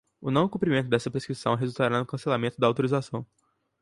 O não cumprimento desta prescrição resultará no cancelamento da autorização.